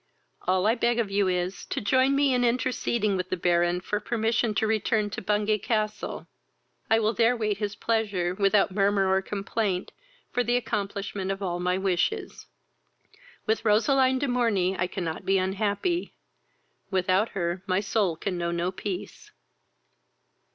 All I beg of you is, to join with me in interceding with the Baron for permission to return to Bungay castle. I will there wait his pleasure, without murmur or complaint, for the accomplishment of all my wishes. With Roseline de Morney I cannot be unhappy; without her my soul can know no peace."